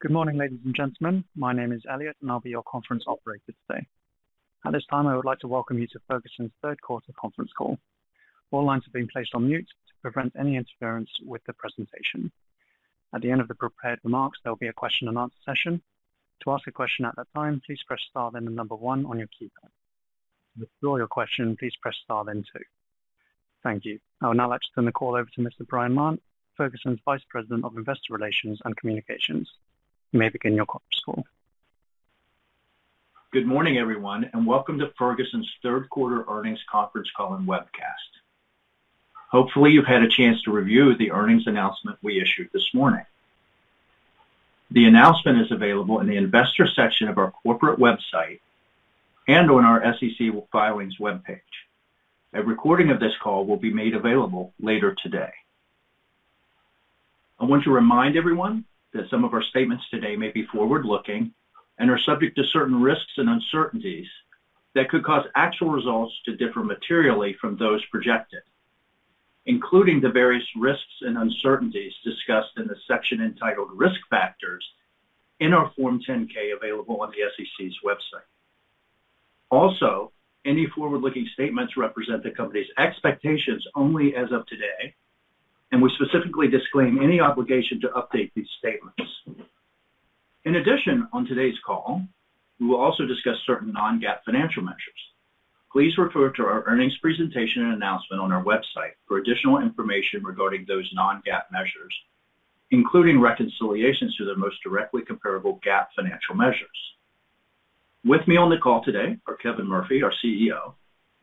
Good morning, ladies and gentlemen. My name is Elliot, and I'll be your conference operator today. At this time, I would like to welcome you to Ferguson's third quarter conference call. All lines have been placed on mute to prevent any interference with the presentation. At the end of the prepared remarks, there will be a question and answer session. To ask a question at that time, please press star, then one on your keypad. To withdraw your question, please press star, then two. Thank you. I would now like to turn the call over to Mr. Brian Lantz, Ferguson's Vice President of Investor Relations and Communications. You may begin your conference call. Good morning, everyone, welcome to Ferguson's third quarter earnings conference call and webcast. Hopefully, you've had a chance to review the earnings announcement we issued this morning. The announcement is available in the investor section of our corporate website and on our SEC Filings webpage. A recording of this call will be made available later today. I want to remind everyone that some of our statements today may be forward-looking and are subject to certain risks and uncertainties that could cause actual results to differ materially from those projected, including the various risks and uncertainties discussed in the section entitled Risk Factors in our Form 10-K, available on the SEC's website. Any forward-looking statements represent the company's expectations only as of today, and we specifically disclaim any obligation to update these statements. On today's call, we will also discuss certain non-GAAP financial measures. Please refer to our earnings presentation and announcement on our website for additional information regarding those non-GAAP measures, including reconciliations to the most directly comparable GAAP financial measures. With me on the call today are Kevin Murphy, our CEO,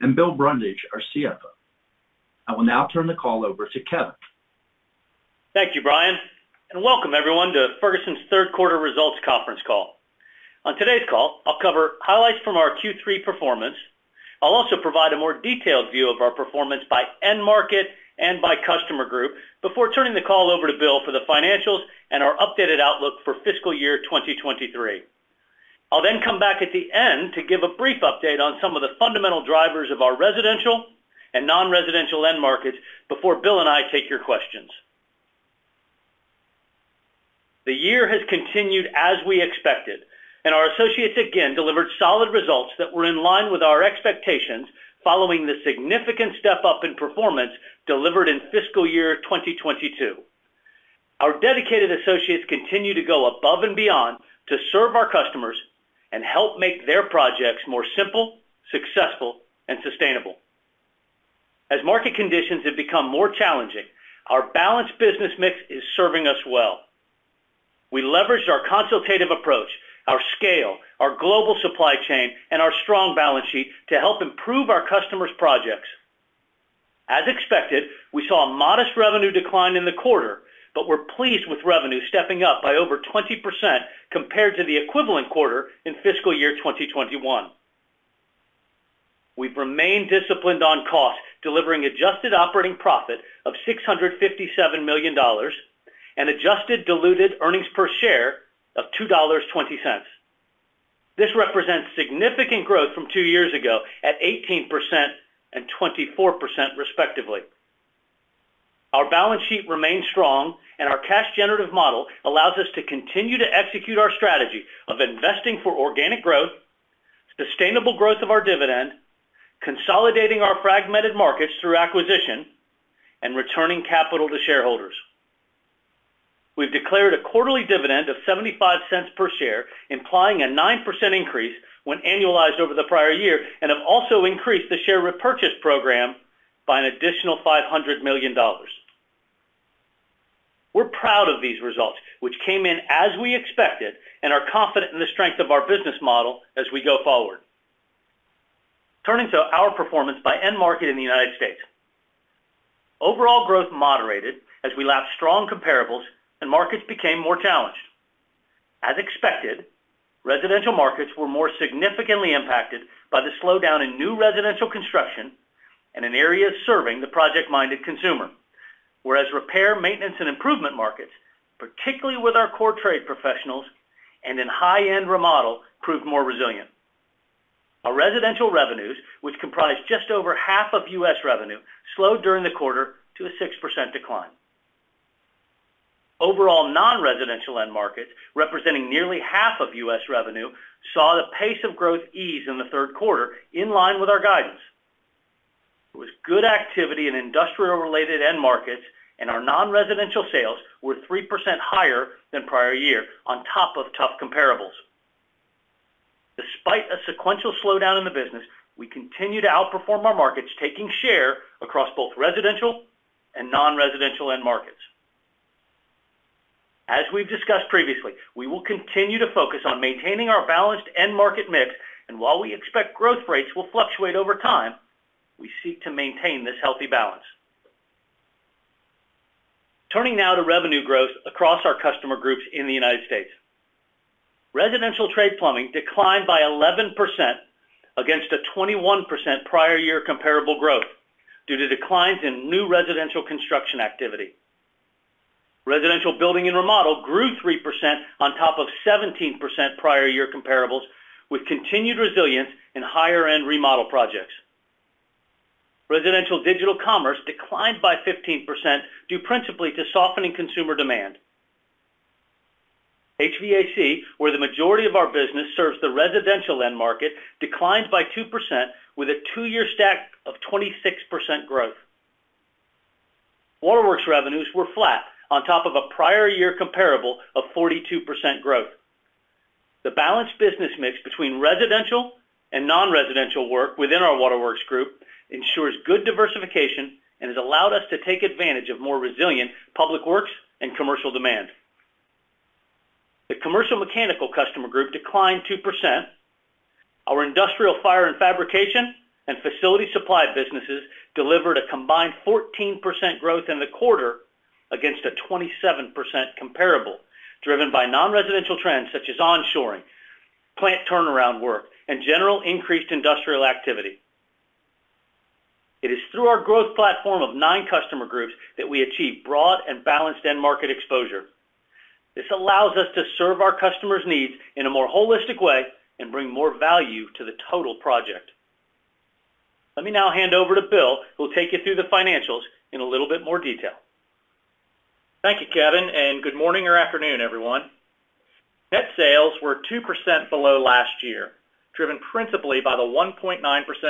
and Bill Brundage, our CFO. I will now turn the call over to Kevin. Thank you, Brian, and welcome everyone to Ferguson's third quarter results conference call. On today's call, I'll cover highlights from our Q3 performance. I'll also provide a more detailed view of our performance by end market and by customer group before turning the call over to Bill for the financials and our updated outlook for fiscal year 2023. I'll then come back at the end to give a brief update on some of the fundamental drivers of our residential and non-residential end markets before Bill and I take your questions. The year has continued as we expected, and our associates again delivered solid results that were in line with our expectations, following the significant step-up in performance delivered in fiscal year 2022. Our dedicated associates continue to go above and beyond to serve our customers and help make their projects more simple, successful, and sustainable. As market conditions have become more challenging, our balanced business mix is serving us well. We leveraged our consultative approach, our scale, our global supply chain, and our strong balance sheet to help improve our customers' projects. As expected, we saw a modest revenue decline in the quarter. We're pleased with revenue stepping up by over 20% compared to the equivalent quarter in fiscal year 2021. We've remained disciplined on cost, delivering adjusted operating profit of $657 million and adjusted diluted earnings per share of $2.20. This represents significant growth from two years ago at 18% and 24%, respectively. Our balance sheet remains strong, and our cash generative model allows us to continue to execute our strategy of investing for organic growth, sustainable growth of our dividend, consolidating our fragmented markets through acquisition, and returning capital to shareholders. We've declared a quarterly dividend of $0.75 per share, implying a 9% increase when annualized over the prior year, and have also increased the share repurchase program by an additional $500 million. We're proud of these results, which came in as we expected, and are confident in the strength of our business model as we go forward. Turning to our performance by end market in the U.S.. Overall growth moderated as we lapped strong comparables and markets became more challenged. As expected, residential markets were more significantly impacted by the slowdown in new residential construction and in areas serving the project-minded consumer. Repair, maintenance, and improvement markets, particularly with our core trade professionals and in high-end remodel, proved more resilient. Our residential revenues, which comprise just over half of U.S. revenue, slowed during the quarter to a 6% decline. Non-residential end markets, representing nearly half of U.S. revenue, saw the pace of growth ease in the third quarter, in line with our guidance. It was good activity in industrial-related end markets, our non-residential sales were 3% higher than prior year on top of tough comparables. Despite a sequential slowdown in the business, we continue to outperform our markets, taking share across both residential and non-residential end markets. As we've discussed previously, we will continue to focus on maintaining our balanced end market mix, while we expect growth rates will fluctuate over time, we seek to maintain this healthy balance. Turning now to revenue growth across our customer groups in the United States. Residential trade plumbing declined by 11% against a 21% prior year comparable growth due to declines in new residential construction activity. Residential building and remodel grew 3% on top of 17% prior year comparables, with continued resilience in higher-end remodel projects. Residential digital commerce declined by 15%, due principally to softening consumer demand. HVAC, where the majority of our business serves the residential end market, declined by 2%, with a two-year stack of 26% growth. Waterworks revenues were flat on top of a prior year comparable of 42% growth. The balanced business mix between residential and non-residential work within our waterworks group ensures good diversification and has allowed us to take advantage of more resilient public works and commercial demand. The commercial mechanical customer group declined 2%. Our industrial fire and fabrication and facility supply businesses delivered a combined 14% growth in the quarter against a 27% comparable, driven by non-residential trends such as onshoring, plant turnaround work, and general increased industrial activity. It is through our growth platform of nine customer groups that we achieve broad and balanced end market exposure. This allows us to serve our customers' needs in a more holistic way and bring more value to the total project. Let me now hand over to Bill, who will take you through the financials in a little bit more detail. Thank you, Kevin, and good morning or afternoon, everyone. Net sales were 2% below last year, driven principally by the 1.9%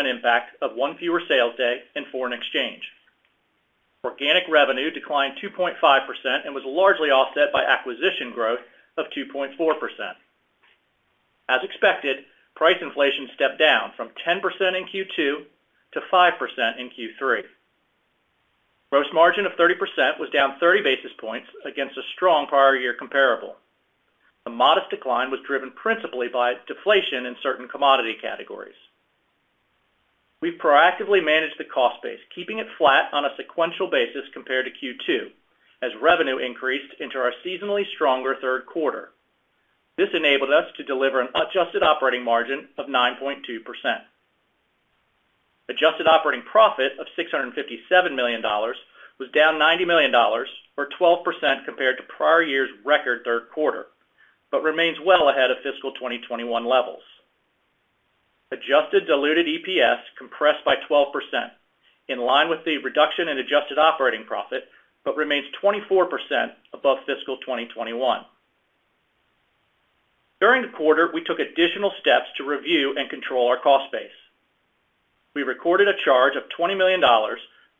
impact of one fewer sales day and foreign exchange. Organic revenue declined 2.5% and was largely offset by acquisition growth of 2.4%. As expected, price inflation stepped down from 10% in Q2 to 5% in Q3. Gross margin of 30% was down 30 basis points against a strong prior year comparable. The modest decline was driven principally by deflation in certain commodity categories. We've proactively managed the cost base, keeping it flat on a sequential basis compared to Q2, as revenue increased into our seasonally stronger third quarter. This enabled us to deliver an adjusted operating margin of 9.2%. Adjusted operating profit of $657 million was down $90 million, or 12% compared to prior year's record third quarter. Remains well ahead of fiscal 2021 levels. Adjusted diluted EPS compressed by 12%, in line with the reduction in adjusted operating profit. Remains 24% above fiscal 2021. During the quarter, we took additional steps to review and control our cost base. We recorded a charge of $20 million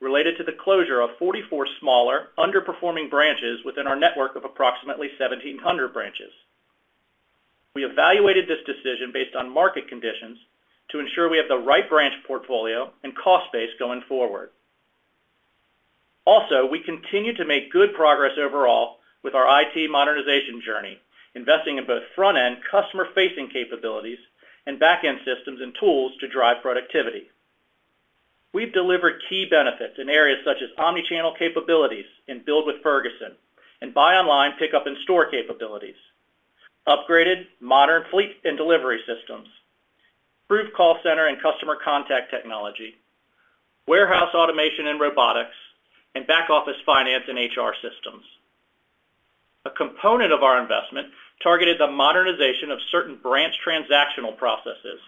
related to the closure of 44 smaller, underperforming branches within our network of approximately 1,700 branches. We evaluated this decision based on market conditions to ensure we have the right branch portfolio and cost base going forward. We continue to make good progress overall with our IT modernization journey, investing in both front-end, customer-facing capabilities and back-end systems and tools to drive productivity. We've delivered key benefits in areas such as omni-channel capabilities in Build with Ferguson and buy online, pickup in store capabilities, upgraded modern fleet and delivery systems, improved call center and customer contact technology, warehouse automation and robotics, and back-office finance and HR systems. A component of our investment targeted the modernization of certain branch transactional processes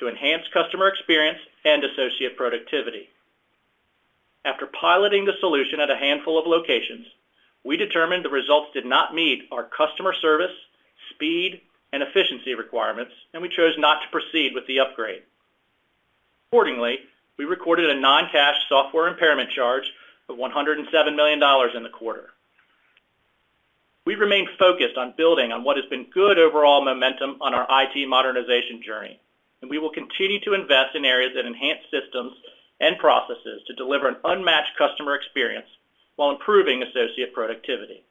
to enhance customer experience and associate productivity. After piloting the solution at a handful of locations, we determined the results did not meet our customer service, speed, and efficiency requirements, and we chose not to proceed with the upgrade. Accordingly, we recorded a non-cash software impairment charge of $107 million in the quarter. We remain focused on building on what has been good overall momentum on our IT modernization journey, and we will continue to invest in areas that enhance systems and processes to deliver an unmatched customer experience while improving associate productivity.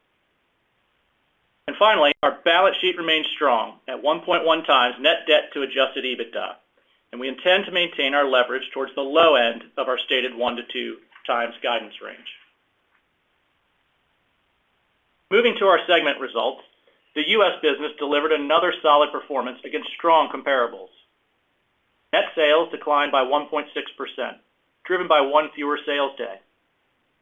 Finally, our balance sheet remains strong at 1.1x net debt to adjusted EBITDA, and we intend to maintain our leverage towards the low end of our stated 1x-2x guidance range. Moving to our segment results. The U.S. business delivered another solid performance against strong comparables. Net sales declined by 1.6%, driven by one fewer sales day.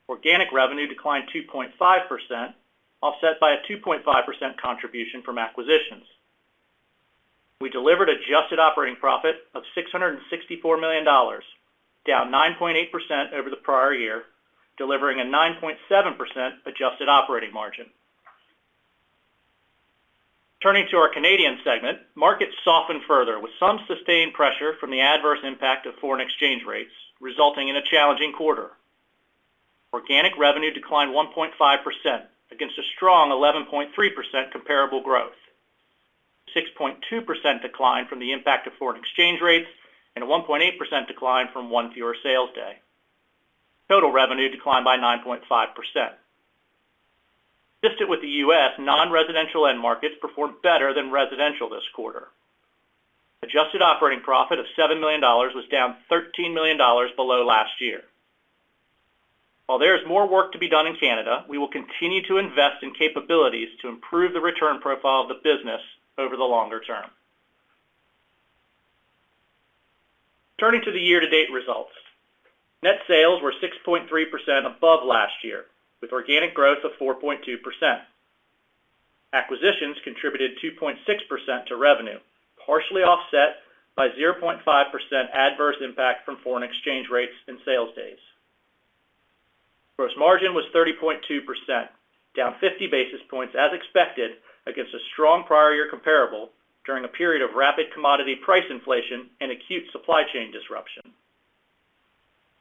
Organic revenue declined 2.5%, offset by a 2.5% contribution from acquisitions. We delivered adjusted operating profit of $664 million, down 9.8% over the prior year, delivering a 9.7% adjusted operating margin. Turning to our Canadian segment, markets softened further, with some sustained pressure from the adverse impact of foreign exchange rates, resulting in a challenging quarter. Organic revenue declined 1.5% against a strong 11.3% comparable growth, 6.2% decline from the impact of foreign exchange rates, and a 1.8% decline from one fewer sales day. Total revenue declined by 9.5%. Consistent with the U.S., non-residential end markets performed better than residential this quarter. Adjusted operating profit of $7 million was down $13 million below last year. While there is more work to be done in Canada, we will continue to invest in capabilities to improve the return profile of the business over the longer term. Turning to the year-to-date results. Net sales were 6.3% above last year, with organic growth of 4.2%. Acquisitions contributed 2.6% to revenue, partially offset by 0.5% adverse impact from foreign exchange rates and sales days. Gross margin was 30.2%, down 50 basis points as expected, against a strong prior year comparable during a period of rapid commodity price inflation and acute supply chain disruption.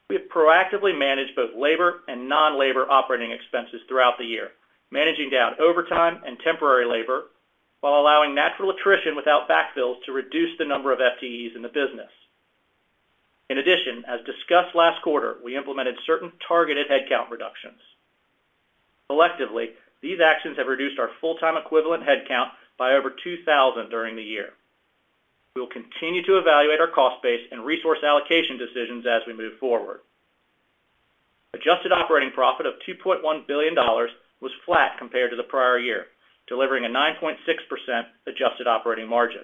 We have proactively managed both labor and non-labor operating expenses throughout the year, managing down overtime and temporary labor, while allowing natural attrition without backfills to reduce the number of FTEs in the business. In addition, as discussed last quarter, we implemented certain targeted headcount reductions. Collectively, these actions have reduced our full-time equivalent headcount by over 2,000 during the year. We will continue to evaluate our cost base and resource allocation decisions as we move forward. Adjusted operating profit of $2.1 billion was flat compared to the prior year, delivering a 9.6% adjusted operating margin.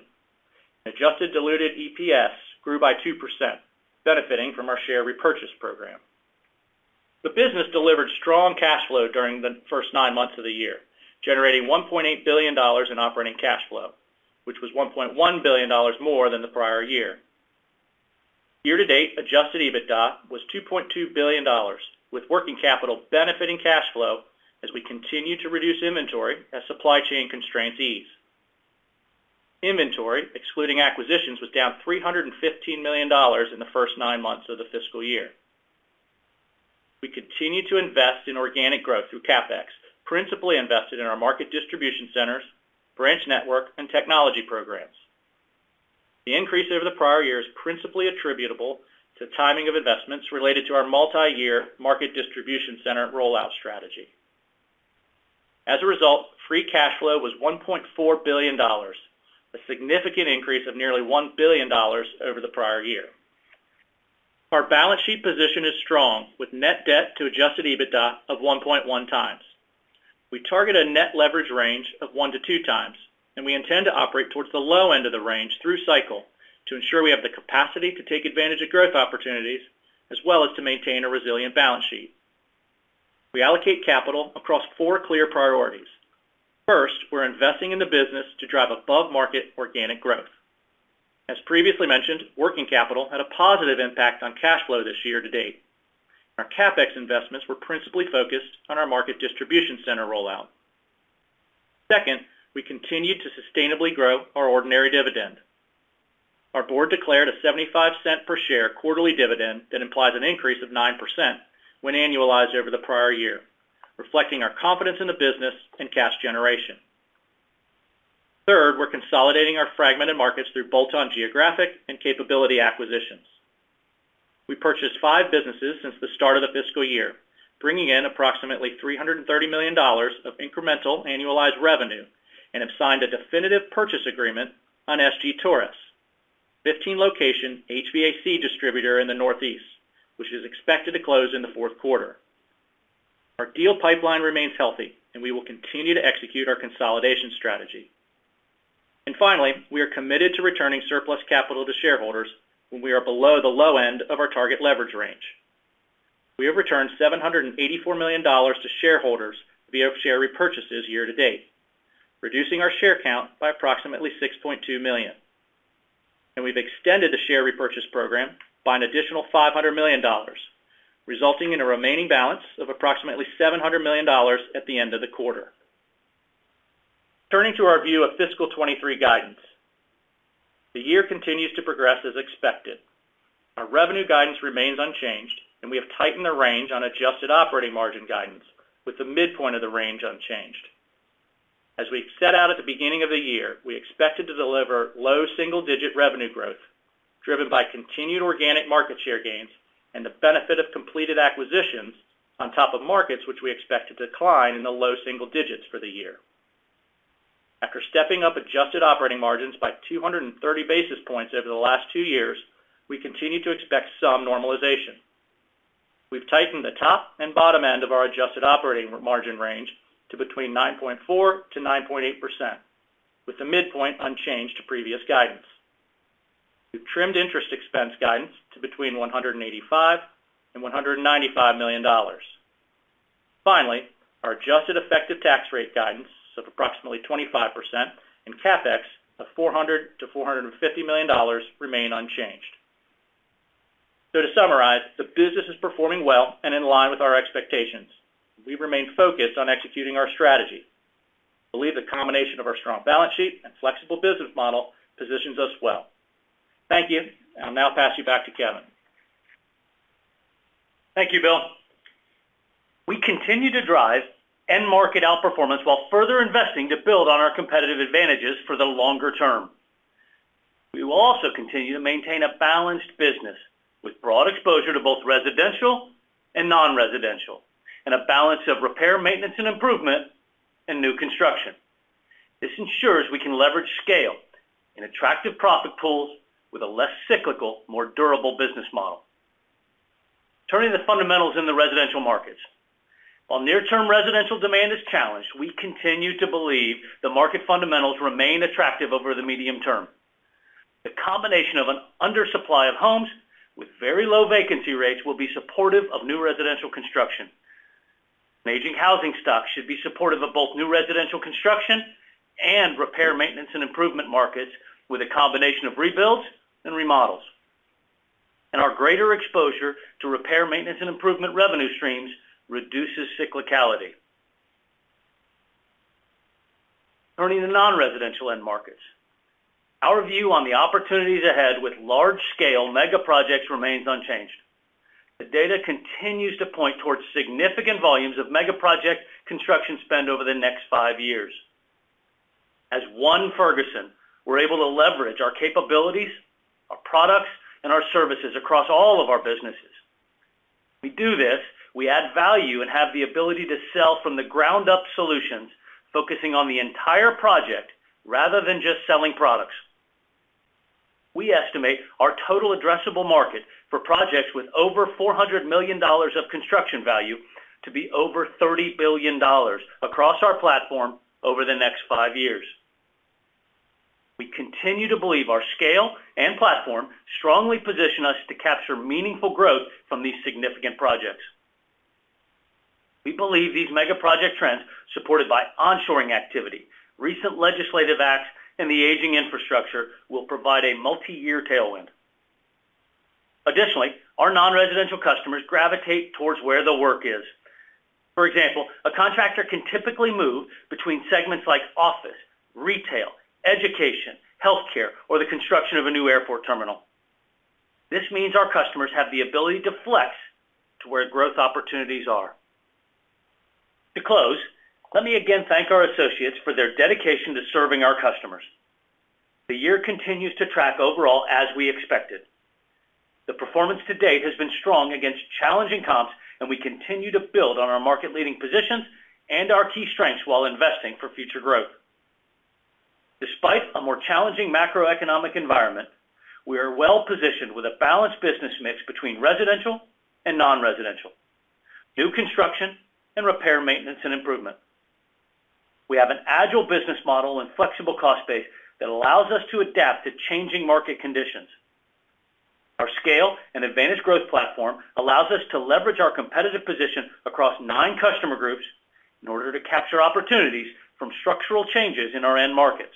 Adjusted diluted EPS grew by 2%, benefiting from our share repurchase program. The business delivered strong cash flow during the first nine months of the year, generating $1.8 billion in operating cash flow, which was $1.1 billion more than the prior year. Year-to-date, adjusted EBITDA was $2.2 billion, with working capital benefiting cash flow as we continue to reduce inventory as supply chain constraints ease. Inventory, excluding acquisitions, was down $315 million in the first nine months of the fiscal year. We continue to invest in organic growth through CapEx, principally invested in our market distribution centers, branch network, and technology programs. The increase over the prior year is principally attributable to timing of investments related to our multi-year market distribution center rollout strategy. Free cash flow was $1.4 billion, a significant increase of nearly $1 billion over the prior year. Our balance sheet position is strong, with net debt to adjusted EBITDA of 1.1 times. We target a net leverage range of one-two times, we intend to operate towards the low end of the range through cycle to ensure we have the capacity to take advantage of growth opportunities, as well as to maintain a resilient balance sheet. We allocate capital across four clear priorities. First, we're investing in the business to drive above-market organic growth. As previously mentioned, working capital had a positive impact on cash flow this year to date. Our CapEx investments were principally focused on our market distribution center rollout. Second, we continued to sustainably grow our ordinary dividend. Our board declared a $0.75 per share quarterly dividend that implies an increase of 9% when annualized over the prior year, reflecting our confidence in the business and cash generation. Third, we're consolidating our fragmented markets through bolt-on geographic and capability acquisitions. We purchased five businesses since the start of the fiscal year, bringing in approximately $330 million of incremental annualized revenue, and have signed a definitive purchase agreement on S. G. Torrice, 15-location HVAC distributor in the Northeast, which is expected to close in the fourth quarter. Our deal pipeline remains healthy. We will continue to execute our consolidation strategy. Finally, we are committed to returning surplus capital to shareholders when we are below the low end of our target leverage range. We have returned $784 million to shareholders via share repurchases year to date, reducing our share count by approximately 6.2 million. We've extended the share repurchase program by an additional $500 million, resulting in a remaining balance of approximately $700 million at the end of the quarter. Turning to our view of fiscal 2023 guidance. The year continues to progress as expected. Our revenue guidance remains unchanged, and we have tightened the range on adjusted operating margin guidance with the midpoint of the range unchanged. As we've set out at the beginning of the year, we expected to deliver low single-digit revenue growth, driven by continued organic market share gains and the benefit of completed acquisitions on top of markets, which we expect to decline in the low single digits for the year. After stepping up adjusted operating margins by 230 basis points over the last two years, we continue to expect some normalization. We've tightened the top and bottom end of our adjusted operating margin range to between 9.4%-9.8%, with the midpoint unchanged to previous guidance. We've trimmed interest expense guidance to between $185 million and $195 million. Our adjusted effective tax rate guidance of approximately 25% and CapEx of $400 million-$450 million remain unchanged. To summarize, the business is performing well and in line with our expectations. We remain focused on executing our strategy. Believe the combination of our strong balance sheet and flexible business model positions us well. Thank you, I'll now pass you back to Kevin. Thank you, Bill. We continue to drive end market outperformance while further investing to build on our competitive advantages for the longer term. We will also continue to maintain a balanced business with broad exposure to both residential and non-residential, and a balance of repair, maintenance and improvement, and new construction. This ensures we can leverage scale in attractive profit pools with a less cyclical, more durable business model. Turning to the fundamentals in the residential markets. While near-term residential demand is challenged, we continue to believe the market fundamentals remain attractive over the medium term. The combination of an undersupply of homes with very low vacancy rates will be supportive of new residential construction. Aging housing stock should be supportive of both new residential construction and repair, maintenance, and improvement markets, with a combination of rebuilds and remodels. Our greater exposure to repair, maintenance, and improvement revenue streams reduces cyclicality. Turning to non-residential end markets. Our view on the opportunities ahead with large-scale mega projects remains unchanged. The data continues to point towards significant volumes of mega project construction spend over the next five years. As one Ferguson, we're able to leverage our capabilities, our products, and our services across all of our businesses. We do this, we add value, and have the ability to sell from the ground up solutions, focusing on the entire project rather than just selling products. We estimate our total addressable market for projects with over $400 million of construction value to be over $30 billion across our platform over the next five years. We continue to believe our scale and platform strongly position us to capture meaningful growth from these significant projects. We believe these mega project trends, supported by onshoring activity, recent legislative acts, and the aging infrastructure, will provide a multi-year tailwind. Additionally, our non-residential customers gravitate towards where the work is. For example, a contractor can typically move between segments like office, retail, education, healthcare, or the construction of a new airport terminal. This means our customers have the ability to flex to where growth opportunities are. To close, let me again thank our associates for their dedication to serving our customers. The year continues to track overall as we expected. The performance to date has been strong against challenging comps, and we continue to build on our market-leading positions and our key strengths while investing for future growth. Despite a more challenging macroeconomic environment, we are well positioned with a balanced business mix between residential and non-residential, new construction and repair, maintenance and improvement. We have an agile business model and flexible cost base that allows us to adapt to changing market conditions. Our scale and advantage growth platform allows us to leverage our competitive position across nine customer groups in order to capture opportunities from structural changes in our end markets.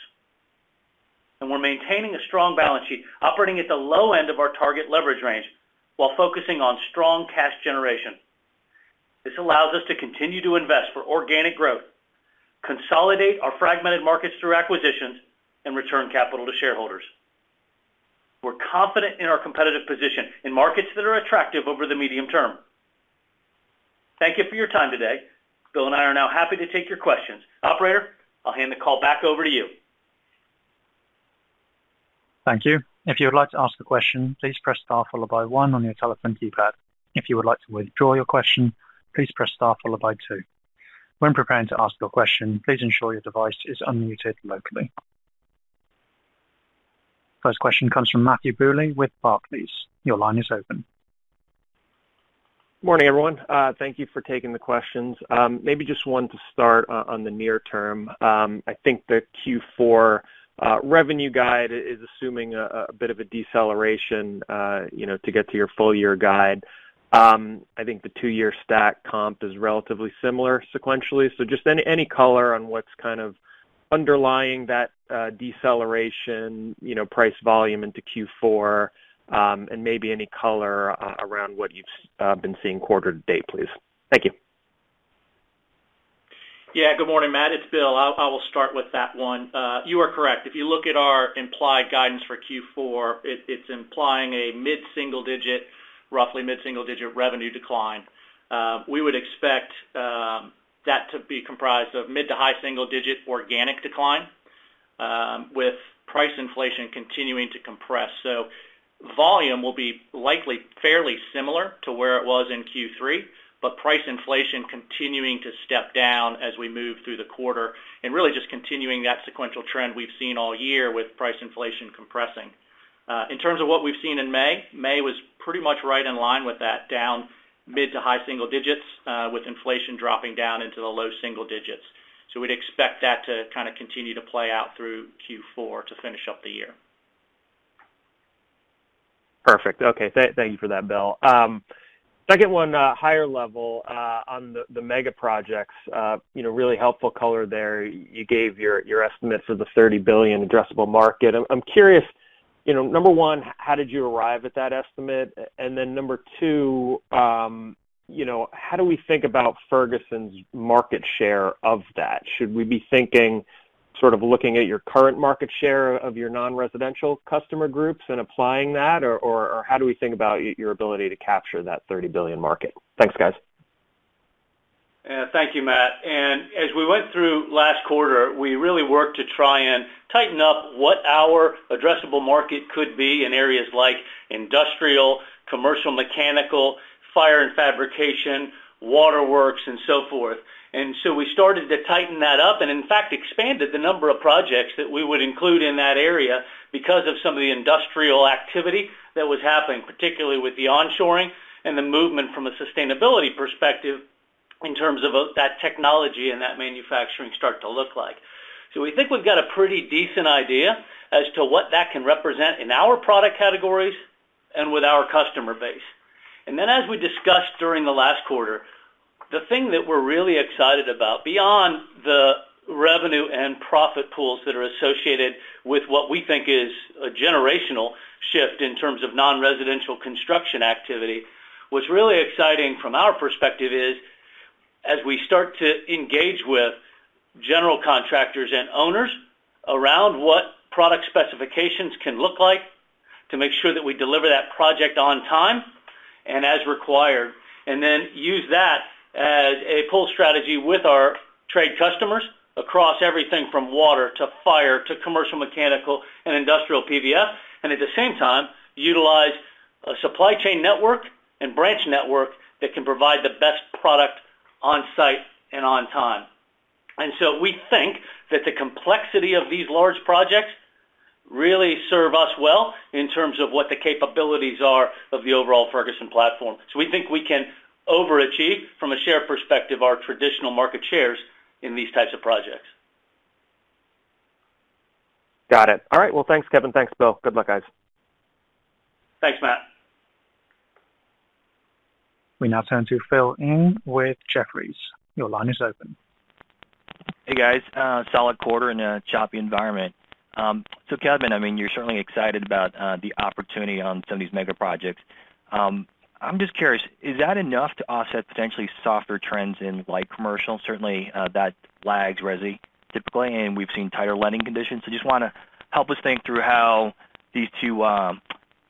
We're maintaining a strong balance sheet, operating at the low end of our target leverage range, while focusing on strong cash generation. This allows us to continue to invest for organic growth, consolidate our fragmented markets through acquisitions, and return capital to shareholders. We're confident in our competitive position in markets that are attractive over the medium term. Thank you for your time today. Bill and I are now happy to take your questions. Operator, I'll hand the call back over to you. Thank you. If you would like to ask a question, please press star followed by one on your telephone keypad. If you would like to withdraw your question, please press star followed by two. When preparing to ask your question, please ensure your device is unmuted locally. First question comes from Matthew Bouley with Barclays. Your line is open. Morning, everyone. Thank you for taking the questions. Maybe just one to start on the near term. I think the Q4 revenue guide is assuming a bit of a deceleration, you know, to get to your full year guide. I think the two-year stack comp is relatively similar sequentially. Just any color on what's kind of underlying that deceleration, you know, price volume into Q4, and maybe any color around what you've been seeing quarter to date, please. Thank you. Yeah. Good morning, Matt. It's Bill. I will start with that one. You are correct. If you look at our implied guidance for Q4, it's implying a mid-single digit, roughly mid-single digit revenue decline. We would expect that to be comprised of mid- to high-single digit organic decline, with price inflation continuing to compress. Volume will be likely fairly similar to where it was in Q3, but price inflation continuing to step down as we move through the quarter. Really just continuing that sequential trend we've seen all year with price inflation compressing. In terms of what we've seen in May was pretty much right in line with that, down mid- to high-single digits, with inflation dropping down into the low single digits. We'd expect that to kind of continue to play out through Q4 to finish up the year. Perfect. Okay. Thank you for that, Bill. Second one, higher level, on the mega projects. You know, really helpful color there. You gave your estimates of the $30 billion addressable market. I'm curious, you know, number one, how did you arrive at that estimate? Then number two, you know, how do we think about Ferguson's market share of that? Should we be thinking, sort of looking at your current market share of your non-residential customer groups and applying that, or, how do we think about your ability to capture that $30 billion market? Thanks, guys. Thank you, Matt. As we went through last quarter, we really worked to try and tighten up what our addressable market could be in areas like industrial, commercial, mechanical, fire and fabrication, water works, and so forth. We started to tighten that up, and in fact, expanded the number of projects that we would include in that area because of some of the industrial activity that was happening, particularly with the onshoring and the movement from a sustainability perspective in terms of that technology and that manufacturing start to look like. We think we've got a pretty decent idea as to what that can represent in our product categories and with our customer base. As we discussed during the last quarter, the thing that we're really excited about, beyond the revenue and profit pools that are associated with what we think is a generational shift in terms of non-residential construction activity, what's really exciting from our perspective is, as we start to engage with general contractors and owners around what product specifications can look like, to make sure that we deliver that project on time and as required, and then use that as a pull strategy with our trade customers across everything from water to fire to commercial, mechanical, and industrial PVF. At the same time, utilize a supply chain network and branch network that can provide the best product on site and on time. We think that the complexity of these large projects really serve us well in terms of what the capabilities are of the overall Ferguson platform. We think we can overachieve from a share perspective, our traditional market shares in these types of projects. Got it. All right, well, thanks, Kevin. Thanks, Bill. Good luck, guys. Thanks, Matt. We now turn to Phil Ng with Jefferies. Your line is open. Hey, guys, solid quarter in a choppy environment. Kevin, I mean, you're certainly excited about the opportunity on some of these mega projects. I'm just curious, is that enough to offset potentially softer trends in light commercial? Certainly, that lags resi typically, and we've seen tighter lending conditions. Just wanna help us think through how these two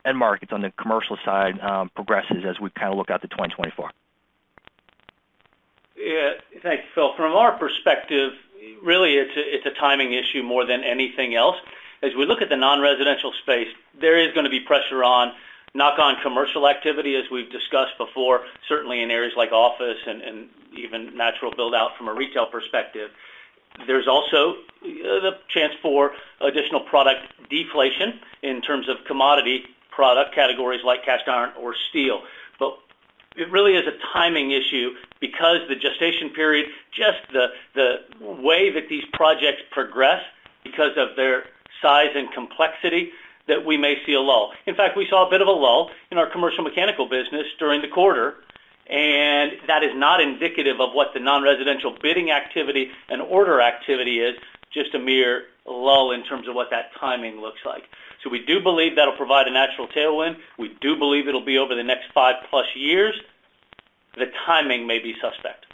end markets on the commercial side progresses as we kind of look out to 2024. Yeah. Thanks, Phil. From our perspective, really, it's a timing issue more than anything else. As we look at the non-residential space, there is gonna be pressure on knock-on commercial activity, as we've discussed before, certainly in areas like office and even natural build-out from a retail perspective. There's also the chance for additional product deflation in terms of commodity product categories like cast iron or steel. It really is a timing issue because the gestation period, just the way that these projects progress because of their size and complexity, that we may see a lull. In fact, we saw a bit of a lull in our commercial mechanical business during the quarter, and that is not indicative of what the non-residential bidding activity and order activity is, just a mere lull in terms of what that timing looks like. We do believe that'll provide a natural tailwind. We do believe it'll be over the next five-plus years. The timing may be suspect.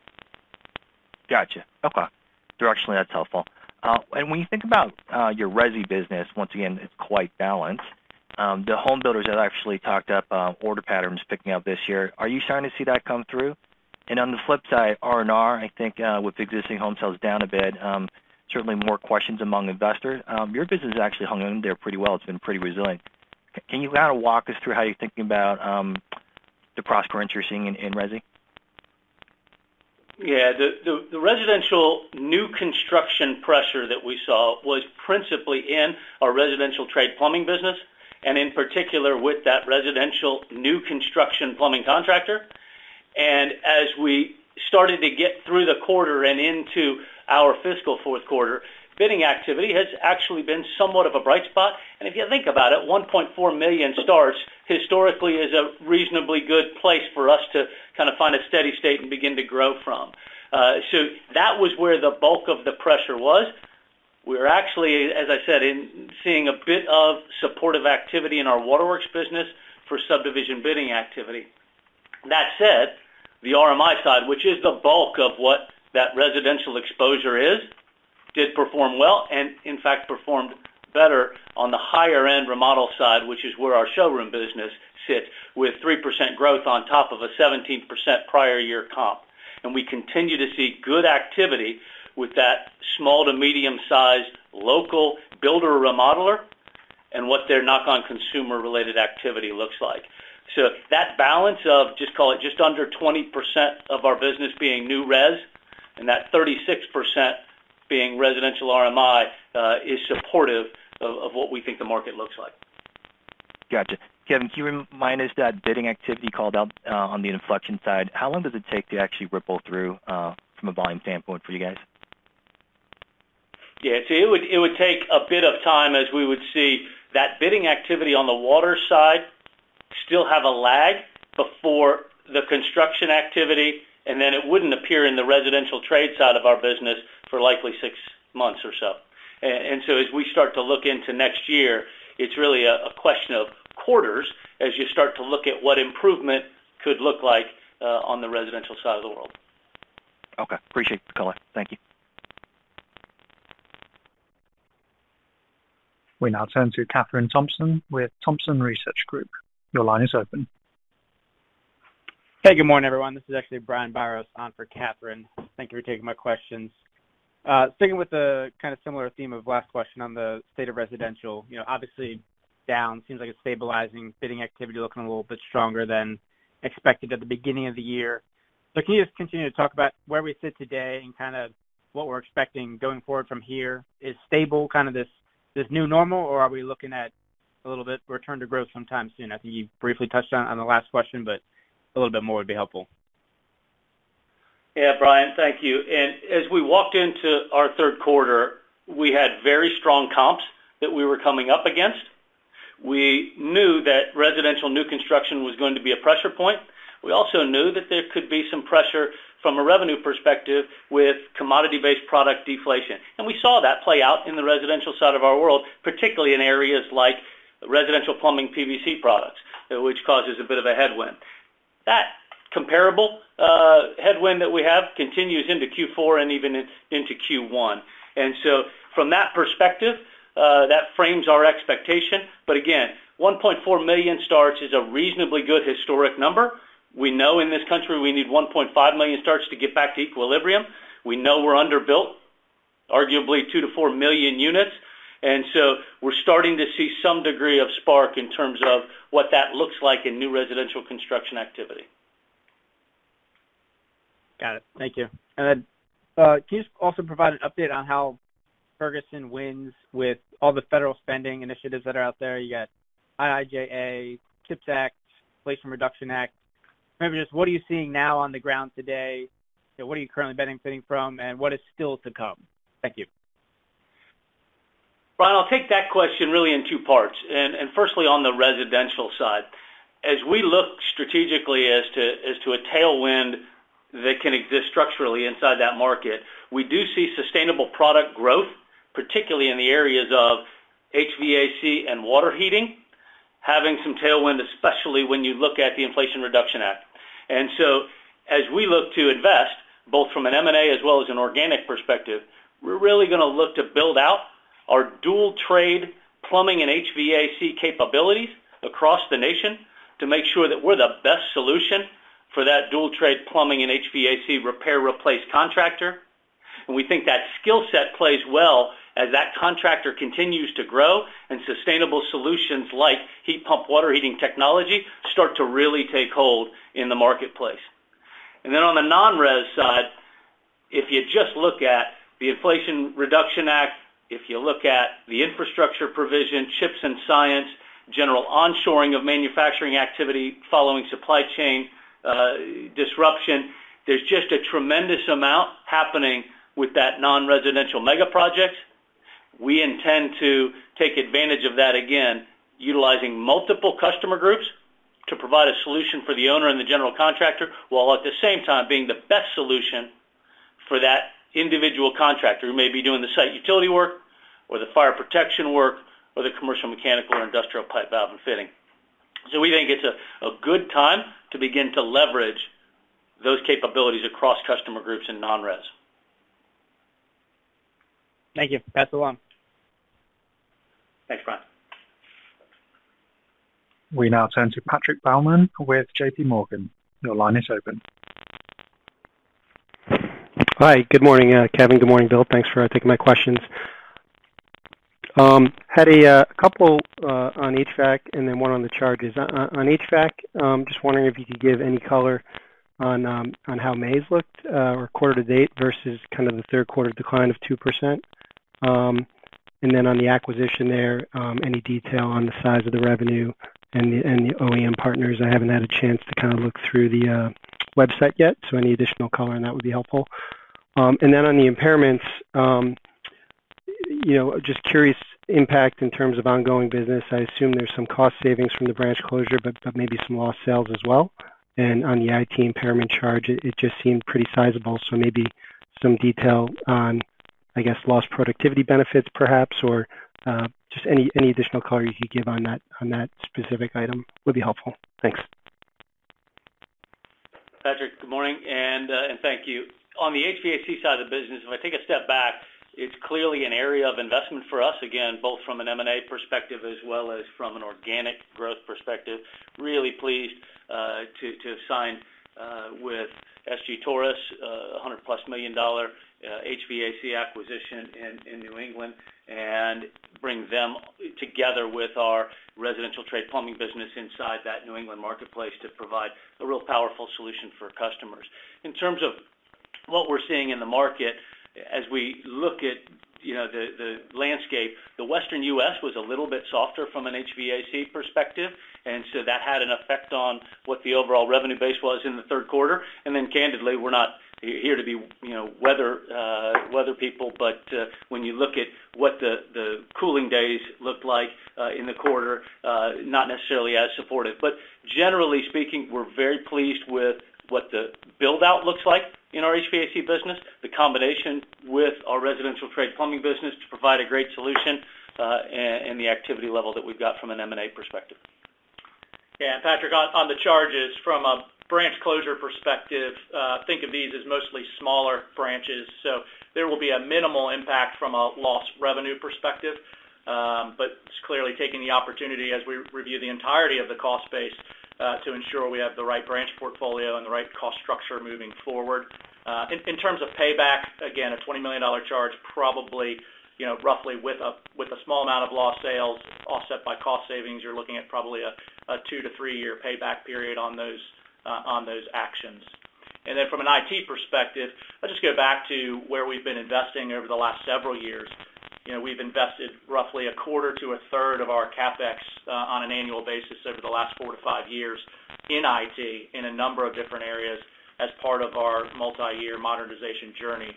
Gotcha. Okay. Directionally, that's helpful. When you think about your resi business, once again, it's quite balanced. The homebuilders have actually talked up order patterns picking up this year. Are you starting to see that come through? On the flip side, R&R, I think, with existing home sales down a bit, certainly more questions among investors. Your business has actually hung in there pretty well. It's been pretty resilient. Can you kind of walk us through how you're thinking about the prospects you're seeing in resi? Yeah, the residential new construction pressure that we saw was principally in our residential trade plumbing business, and in particular, with that residential new construction plumbing contractor. As we started to get through the quarter and into our fiscal fourth quarter, bidding activity has actually been somewhat of a bright spot. If you think about it, 1.4 million starts historically is a reasonably good place for us to kind of find a steady state and begin to grow from. That was where the bulk of the pressure was. We're actually, as I said, in seeing a bit of supportive activity in our waterworks business for subdivision bidding activity. That said, the RMI side, which is the bulk of what that residential exposure is, did perform well and in fact performed better on the higher-end remodel side, which is where our showroom business sits, with 3% growth on top of a 17% prior year comp. We continue to see good activity with that small to medium-sized local builder remodeler and what their knock-on consumer-related activity looks like. That balance of just call it, just under 20% of our business being new res, and that 36% being residential RMI, is supportive of what we think the market looks like. Gotcha. Kevin, can you remind us that bidding activity called out on the inflection side, how long does it take to actually ripple through from a volume standpoint for you guys? Yeah, it would take a bit of time as we would see that bidding activity on the water side still have a lag before the construction activity, and then it wouldn't appear in the residential trade side of our business for likely six months or so. As we start to look into next year, it's really a question of quarters as you start to look at what improvement could look like on the residential side of the world. Okay. Appreciate the color. Thank you. We now turn to Kathryn Thompson with Thompson Research Group. Your line is open. Hey, good morning, everyone. This is actually Brian Biros on for Kathryn. Thank you for taking my questions. Sticking with the kind of similar theme of last question on the state of residential, you know, obviously down, seems like it's stabilizing, bidding activity looking a little bit stronger than expected at the beginning of the year. Can you just continue to talk about where we sit today and kind of what we're expecting going forward from here? Is stable kind of this new normal, or are we looking at a little bit return to growth sometime soon? I think you briefly touched on the last question, but a little bit more would be helpful. Yeah, Brian, thank you. As we walked into our third quarter, we had very strong comps that we were coming up against. We knew that residential new construction was going to be a pressure point. We also knew that there could be some pressure from a revenue perspective with commodity-based product deflation. We saw that play out in the residential side of our world, particularly in areas like residential plumbing, PVC products, which causes a bit of a headwind. That comparable headwind that we have continues into Q4 and even into Q1. From that perspective, that frames our expectation. Again, 1.4 million starts is a reasonably good historic number. We know in this country, we need 1.5 million starts to get back to equilibrium. We know we're underbuilt, arguably two-four million units, and so we're starting to see some degree of spark in terms of what that looks like in new residential construction activity. Got it. Thank you. Can you also provide an update on how Ferguson wins with all the federal spending initiatives that are out there? You got IIJA, CHIPS Act, Inflation Reduction Act. Maybe just what are you seeing now on the ground today? What are you currently benefiting from, and what is still to come? Thank you. Brian, I'll take that question really in two parts, and firstly, on the residential side. As we look strategically as to, as to a tailwind that can exist structurally inside that market, we do see sustainable product growth, particularly in the areas of HVAC and water heating, having some tailwind, especially when you look at the Inflation Reduction Act. As we look to invest, both from an M&A as well as an organic perspective, we're really going to look to build out our dual trade, plumbing and HVAC capabilities across the nation to make sure that we're the best solution for that dual trade, plumbing and HVAC repair, replace contractor. We think that skill set plays well as that contractor continues to grow, and sustainable solutions like heat pump, water heating technology, start to really take hold in the marketplace. On the non-res side, if you just look at the Inflation Reduction Act, if you look at the infrastructure provision, Chips and Science, general onshoring of manufacturing activity following supply chain disruption, there's just a tremendous amount happening with that non-residential mega project. We intend to take advantage of that, again, utilizing multiple customer groups to provide a solution for the owner and the general contractor, while at the same time being the best solution for that individual contractor who may be doing the site utility work or the fire protection work or the commercial, mechanical, or industrial pipe, valve, and fitting. We think it's a good time to begin to leverage those capabilities across customer groups in non-res. Thank you. Pass along. Thanks, Brian. We now turn to Patrick Baumann with JPMorgan. Your line is open. Hi. Good morning, Kevin. Good morning, Bill. Thanks for taking my questions. Had a couple on HVAC and then one on the charges. On HVAC, just wondering if you could give any color on how May looked or quarter to date versus kind of the third quarter decline of 2%. On the acquisition there, any detail on the size of the revenue and the OEM partners? I haven't had a chance to kind of look through the website yet, so any additional color, and that would be helpful. On the impairments, you know, just curious impact in terms of ongoing business. I assume there's some cost savings from the branch closure, but maybe some lost sales as well. On the IT impairment charge, it just seemed pretty sizable. Maybe some detail on, I guess, lost productivity benefits perhaps, or, just any additional color you could give on that, on that specific item would be helpful? Thanks. Patrick, good morning, and thank you. On the HVAC side of the business, if I take a step back, it's clearly an area of investment for us, again, both from an M&A perspective as well as from an organic growth perspective. Really pleased to sign with S. G. Torrice, a $100+ million HVAC acquisition in New England and bring them together with our residential trade plumbing business inside that New England marketplace to provide a real powerful solution for customers. In terms of what we're seeing in the market, as we look at, you know, the landscape, the Western U.S. was a little bit softer from an HVAC perspective, that had an effect on what the overall revenue base was in the third quarter. Candidly, we're not here to be, you know, weather people, but when you look at what the cooling days looked like in the quarter, not necessarily as supportive. Generally speaking, we're very pleased with what the build out looks like in our HVAC business, the combination with our residential trade plumbing business to provide a great solution and the activity level that we've got from an M&A perspective. Yeah, Patrick, on the charges, from a branch closure perspective, think of these as mostly smaller branches, so there will be a minimal impact from a lost revenue perspective. Just clearly taking the opportunity as we review the entirety of the cost base to ensure we have the right branch portfolio and the right cost structure moving forward. In terms of payback, again, a $20 million charge, probably, you know, roughly with a small amount of lost sales, offset by cost savings, you're looking at probably a two-three-year payback period on those actions. From an IT perspective, I'll just go back to where we've been investing over the last several years. You know, we've invested roughly a quarter to a third of our CapEx on an annual basis over the last four to five years in IT, in a number of different areas as part of our multi-year modernization journey.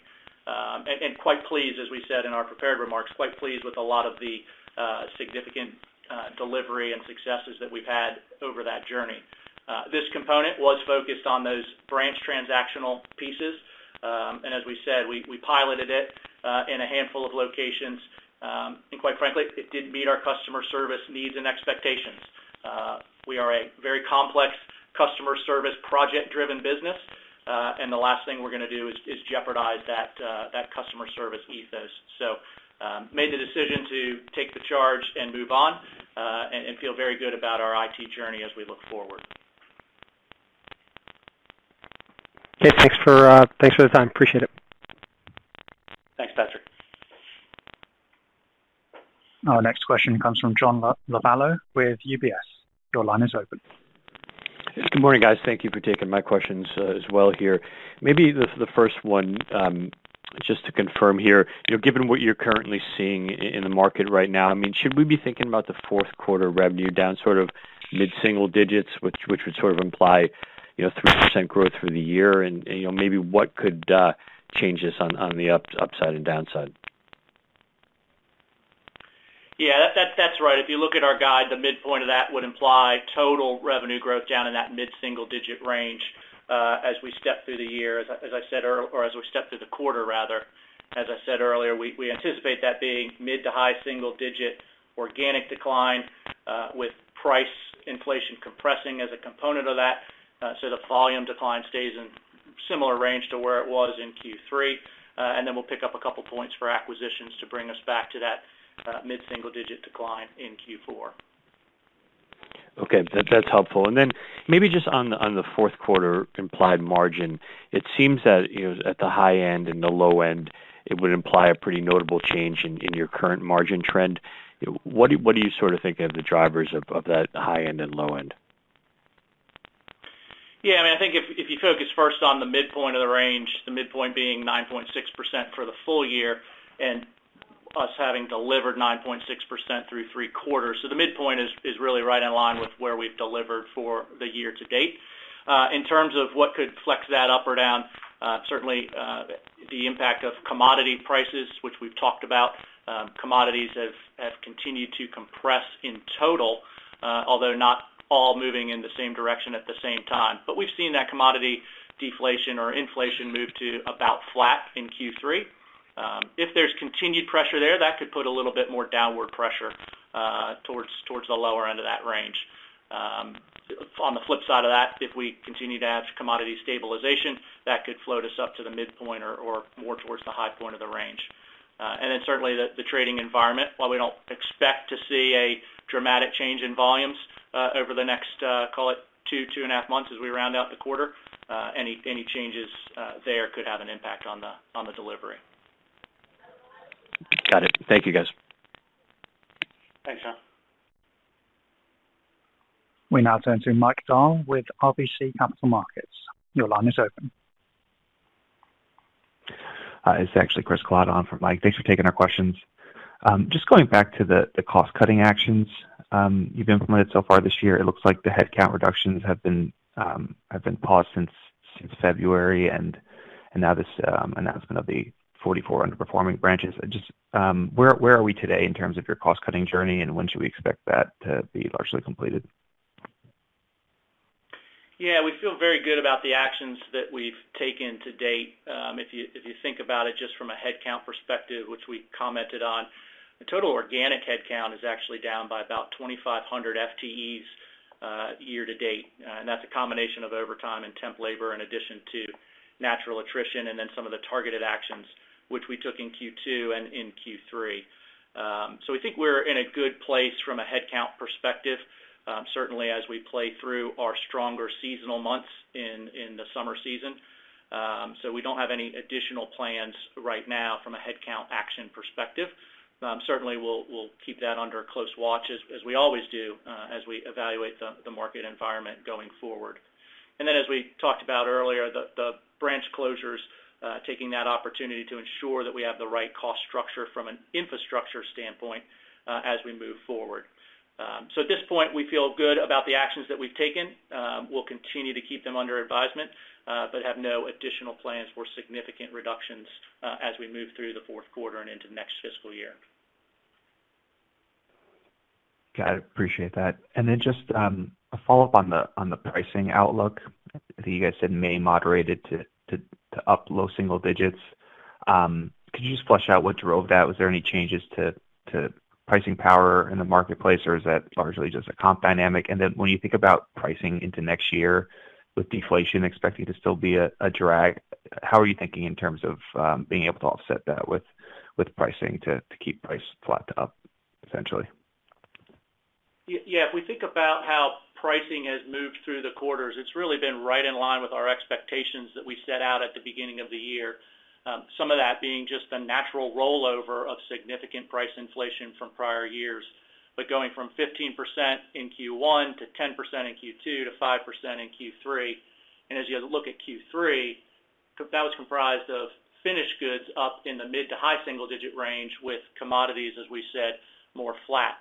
Quite pleased, as we said in our prepared remarks, quite pleased with a lot of the significant delivery and successes that we've had over that journey. This component was focused on those branch transactional pieces. As we said, we piloted it in a handful of locations, and quite frankly, it didn't meet our customer service needs and expectations. We are a very complex customer service, project-driven business, and the last thing we're gonna do is jeopardize that customer service ethos. Made the decision to take the charge and move on, and feel very good about our IT journey as we look forward. Okay, thanks for the time. Appreciate it. Thanks, Patrick. Our next question comes from John Lovallo with UBS. Your line is open. Yes, good morning, guys. Thank you for taking my questions, as well here. Maybe the first one, just to confirm here, you know, given what you're currently seeing in the market right now, I mean, should we be thinking about the fourth quarter revenue down sort of mid-single digits, which would sort of imply, you know, 3% growth through the year? You know, maybe what could change this on the upside and downside? That's right. If you look at our guide, the midpoint of that would imply total revenue growth down in that mid-single-digit range as we step through the year. As I said earlier, we anticipate that being mid to high single-digit organic decline with price inflation compressing as a component of that. The volume decline stays in similar range to where it was in Q3, we'll pick up two points for acquisitions to bring us back to that mid-single-digit decline in Q4. Okay, that's helpful. Maybe just on the fourth quarter implied margin, it seems that, you know, at the high end and the low end, it would imply a pretty notable change in your current margin trend. What do you sort of think are the drivers of that high end and low end? Yeah, I mean, I think if you focus first on the midpoint of the range, the midpoint being 9.6% for the full year, and us having delivered 9.6% through 3 quarters. The midpoint is really right in line with where we've delivered for the year to date. In terms of what could flex that up or down, certainly, the impact of commodity prices, which we've talked about, commodities have continued to compress in total, although not all moving in the same direction at the same time. We've seen that commodity deflation or inflation move to about flat in Q3. If there's continued pressure there, that could put a little bit more downward pressure towards the lower end of that range. On the flip side of that, if we continue to have commodity stabilization, that could float us up to the midpoint or more towards the high point of the range. Certainly the trading environment, while we don't expect to see a dramatic change in volumes over the next, call it two and a half months as we round out the quarter, any changes there could have an impact on the delivery. Got it. Thank you, guys. Thanks, John. We now turn to Mike Dahl with RBC Capital Markets. Your line is open. It's actually Chris Kalata on from Mike. Thanks for taking our questions. Just going back to the cost-cutting actions you've implemented so far this year, it looks like the headcount reductions have been paused since February, and now this announcement of the 44 underperforming branches. Just where are we today in terms of your cost-cutting journey, and when should we expect that to be largely completed? We feel very good about the actions that we've taken to date. If you think about it just from a headcount perspective, which we commented on, the total organic headcount is actually down by about 2,500 FTEs year to date. That's a combination of overtime and temp labor, in addition to natural attrition, and then some of the targeted actions which we took in Q2 and in Q3. We think we're in a good place from a headcount perspective, certainly as we play through our stronger seasonal months in the summer season. We don't have any additional plans right now from a headcount action perspective. Certainly, we'll keep that under close watch, as we always do, as we evaluate the market environment going forward. As we talked about earlier, the branch closures, taking that opportunity to ensure that we have the right cost structure from an infrastructure standpoint, as we move forward. At this point, we feel good about the actions that we've taken. We'll continue to keep them under advisement, have no additional plans for significant reductions, as we move through the fourth quarter and into next fiscal year. Got it. Appreciate that. Just a follow-up on the pricing outlook. I think you guys said May moderated to up low single digits. Could you just flesh out what drove that? Was there any changes to pricing power in the marketplace, or is that largely just a comp dynamic? When you think about pricing into next year, with deflation expecting to still be a drag, how are you thinking in terms of being able to offset that with pricing to keep price flat to up, essentially? Yeah, if we think about how pricing has moved through the quarters, it's really been right in line with our expectations that we set out at the beginning of the year. Some of that being just the natural rollover of significant price inflation from prior years. but going from 15% in Q1 to 10% in Q2 to 5% in Q3. As you look at Q3, that was comprised of finished goods up in the mid to high single-digit range, with commodities, as we said, more flat.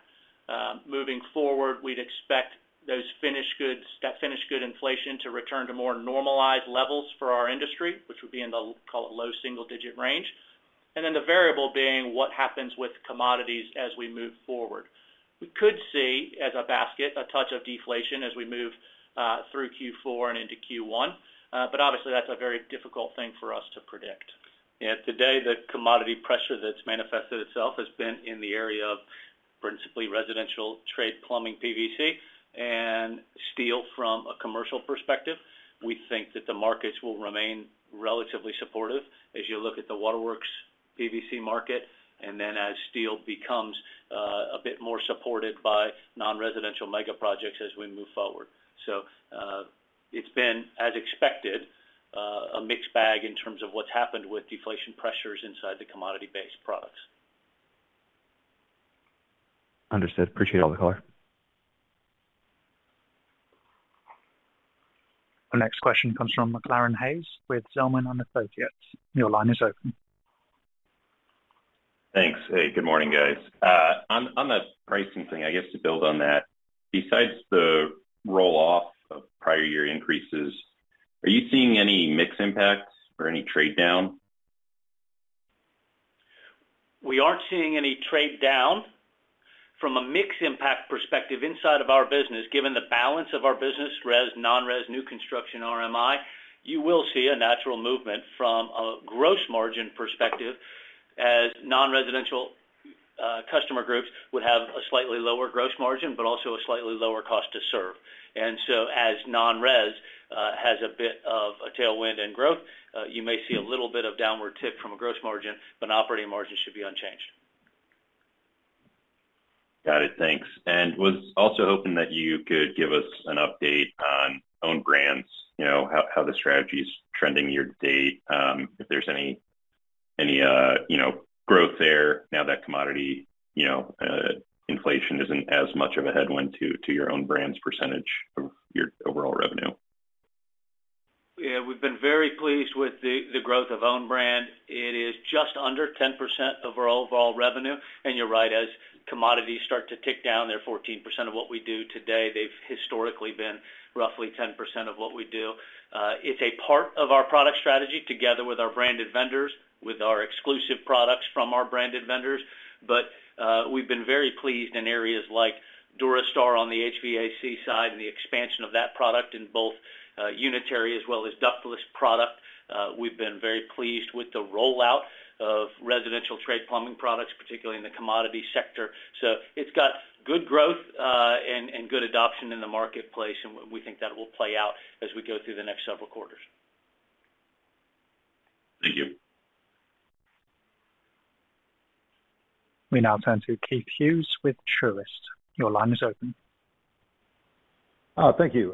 Moving forward, we'd expect that finished good inflation to return to more normalized levels for our industry, which would be in the, call it, low single-digit range. The variable being what happens with commodities as we move forward. We could see, as a basket, a touch of deflation as we move through Q4 and into Q1. Obviously, that's a very difficult thing for us to predict. Today, the commodity pressure that's manifested itself has been in the area of principally residential trade, plumbing, PVC, and steel from a commercial perspective. We think that the markets will remain relatively supportive as you look at the waterworks PVC market, and then as steel becomes a bit more supported by non-residential mega projects as we move forward. It's been, as expected, a mixed bag in terms of what's happened with deflation pressures inside the commodity-based products. Understood. Appreciate it, call. The next question comes from McClaran Hayes with Zelman & Associates. Your line is open. Thanks. Hey, good morning, guys. On the pricing thing, I guess, to build on that, besides the roll-off of prior year increases, are you seeing any mix impacts or any trade down? We aren't seeing any trade down. From a mix impact perspective, inside of our business, given the balance of our business, res, non-res, new construction, RMI, you will see a natural movement from a gross margin perspective, as non-residential customer groups would have a slightly lower gross margin, but also a slightly lower cost to serve. As non-res has a bit of a tailwind and growth, you may see a little bit of downward tip from a gross margin, but operating margin should be unchanged. Got it. Thanks. Was also hoping that you could give us an update on own brands, you know, how the strategy is trending year-to-date, if there's any, you know, growth there now that commodity, you know, inflation isn't as much of a headwind to your own brands percentage of your overall revenue? Yeah, we've been very pleased with the growth of own brand. It is just under 10% of our overall revenue, and you're right, as commodities start to tick down, they're 14% of what we do today. They've historically been roughly 10% of what we do. It's a part of our product strategy, together with our branded vendors, with our exclusive products from our branded vendors. We've been very pleased in areas like Durastar on the HVAC side and the expansion of that product in both unitary as well as ductless product. We've been very pleased with the rollout of residential trade plumbing products, particularly in the commodity sector. It's got good growth, and good adoption in the marketplace, and we think that will play out as we go through the next several quarters. Thank you. We now turn to Keith Hughes with Truist. Your line is open. Thank you.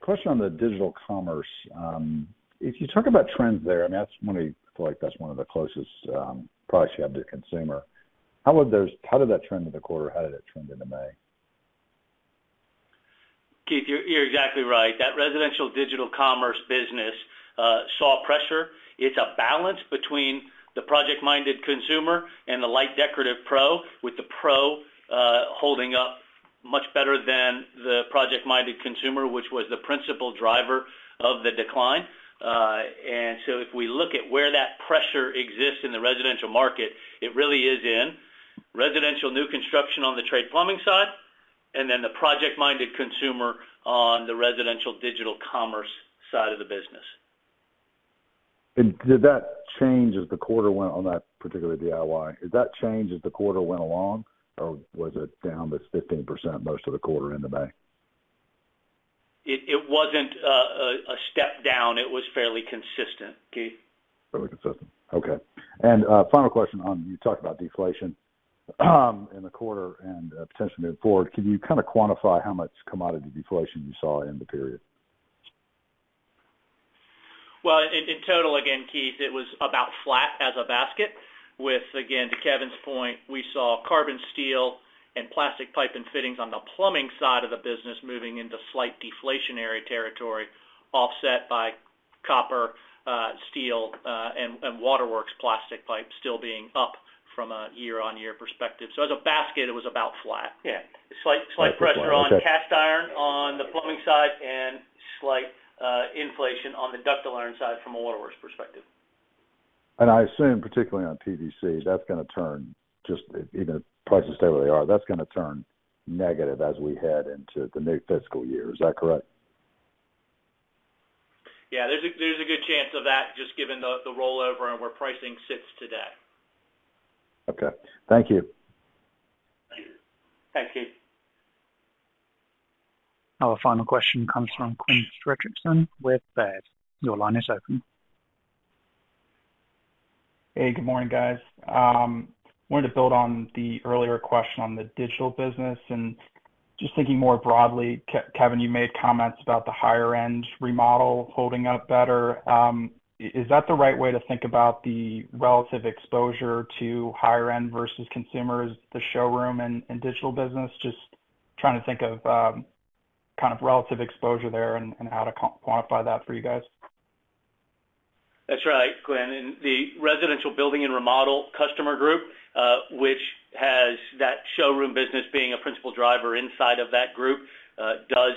Question on the digital commerce. If you talk about trends there, I mean, I feel like that's one of the closest products you have to consumer. How did that trend in the quarter? How did it trend into May? Keith, you're exactly right. That residential digital commerce business saw pressure. It's a balance between the project-minded consumer and the light decorative pro, with the pro holding up much better than the project-minded consumer, which was the principal driver of the decline. If we look at where that pressure exists in the residential market, it really is in residential new construction on the trade plumbing side, and then the project-minded consumer on the residential digital commerce side of the business. Did that change as the quarter went on that particular DIY? Did that change as the quarter went along, or was it down this 15% most of the quarter in the bank? It wasn't a step down. It was fairly consistent, Keith. Fairly consistent. Okay. You talked about deflation in the quarter and potentially moving forward. Can you kind of quantify how much commodity deflation you saw in the period? In total, again, Keith, it was about flat as a basket with, again, to Kevin's point, we saw carbon, steel, and plastic pipe and fittings on the plumbing side of the business moving into slight deflationary territory, offset by copper, steel, and waterworks plastic pipe still being up from a year-on-year perspective. As a basket, it was about flat. Yeah. Slight pressure. Okay... on cast iron, on the plumbing side, and slight inflation on the ductile iron side from a waterworks perspective. I assume, particularly on PVC, that's gonna turn just, you know, prices stay where they are. That's gonna turn negative as we head into the new fiscal year. Is that correct? Yeah, there's a good chance of that, just given the rollover and where pricing sits today. Okay. Thank you. Thank you. Thanks, Keith. Our final question comes from Quinn Fredrickson with Baird. Your line is open. Hey, good morning, guys. wanted to build on the earlier question on the digital business and Just thinking more broadly, Kevin, you made comments about the higher-end remodel holding up better. Is that the right way to think about the relative exposure to higher end versus consumers, the showroom and digital business? Just trying to think of, kind of relative exposure there and how to quantify that for you guys. That's right, Quinn. The residential building and remodel customer group, which has that showroom business being a principal driver inside of that group, does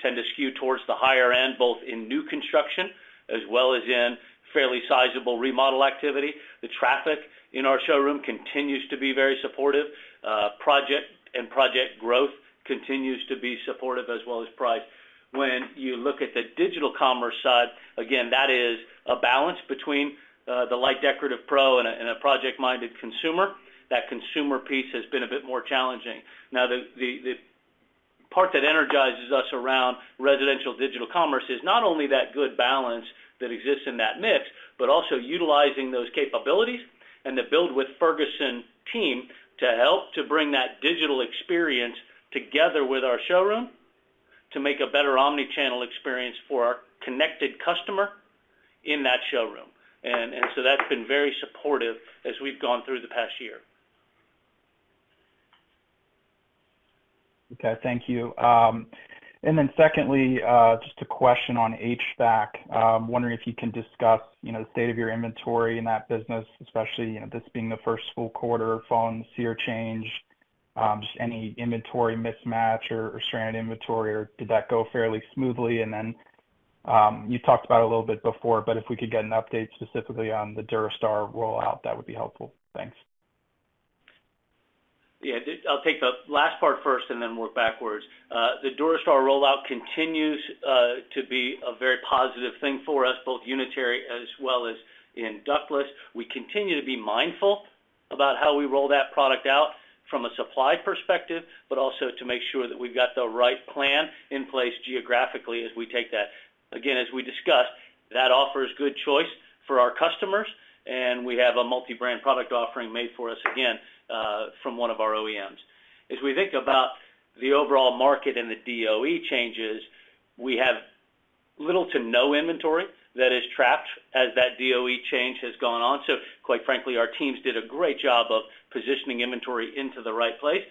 tend to skew towards the higher end, both in new construction as well as in fairly sizable remodel activity. The traffic in our showroom continues to be very supportive. Project and project growth continues to be supportive as well as price. When you look at the digital commerce side, again, that is a balance between, the light decorative pro and a, and a project-minded consumer. That consumer piece has been a bit more challenging. The part that energizes us around residential digital commerce is not only that good balance that exists in that mix, but also utilizing those capabilities and the Build with Ferguson team to help to bring that digital experience together with our showroom, to make a better omni-channel experience for our connected customer in that showroom. So that's been very supportive as we've gone through the past year. Okay, thank you. Secondly, just a question on HVAC. Wondering if you can discuss, you know, the state of your inventory in that business, especially, you know, this being the first full quarter following the SEER change, just any inventory mismatch or stranded inventory, or did that go fairly smoothly? Then, you talked about a little bit before, but if we could get an update specifically on the Durastar rollout, that would be helpful. Thanks. Yeah, I'll take the last part first then work backwards. The Durastar rollout continues to be a very positive thing for us, both unitary as well as in ductless. We continue to be mindful about how we roll that product out from a supply perspective, also to make sure that we've got the right plan in place geographically as we take that. Again, as we discussed, that offers good choice for our customers, we have a multi-brand product offering made for us, again, from one of our OEMs. As we think about the overall market and the DOE changes, we have little to no inventory that is trapped as that DOE change has gone on. Quite frankly, our teams did a great job of positioning inventory into the right place.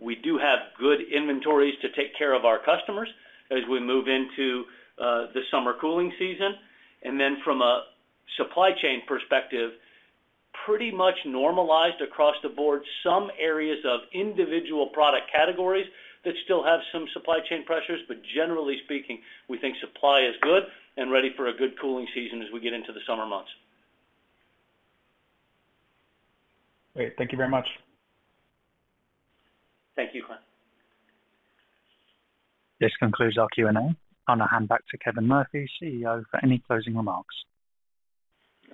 We do have good inventories to take care of our customers as we move into the summer cooling season. From a supply chain perspective, pretty much normalized across the board. Some areas of individual product categories that still have some supply chain pressures, generally speaking, we think supply is good and ready for a good cooling season as we get into the summer months. Great. Thank you very much. Thank you, Quinn. This concludes our Q&A. I'm going to hand back to Kevin Murphy, CEO, for any closing remarks.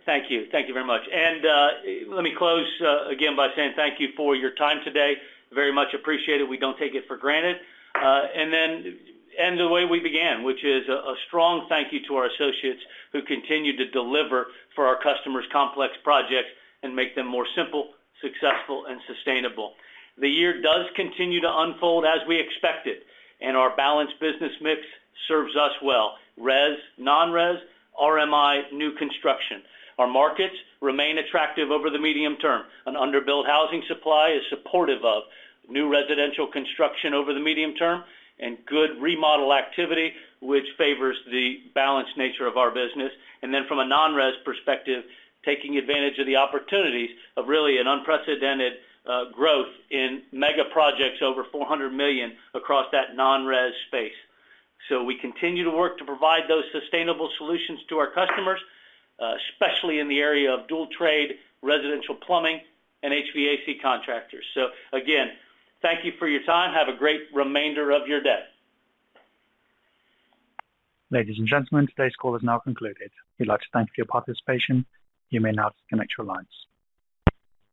Thank you. Thank you very much. Let me close again by saying thank you for your time today. Very much appreciate it. We don't take it for granted. The way we began, which is a strong thank you to our associates who continue to deliver for our customers' complex projects and make them more simple, successful, and sustainable. The year does continue to unfold as we expected, and our balanced business mix serves us well. Res, non-res, RMI, new construction. Our markets remain attractive over the medium term. An underbuilt housing supply is supportive of new residential construction over the medium term and good remodel activity, which favors the balanced nature of our business. From a non-res perspective, taking advantage of the opportunities of really an unprecedented growth in mega projects over $400 million across that non-res space. We continue to work to provide those sustainable solutions to our customers, especially in the area of dual trade, residential plumbing, and HVAC contractors. Again, thank you for your time. Have a great remainder of your day. Ladies and gentlemen, today's call is now concluded. We'd like to thank you for your participation. You may now disconnect your lines.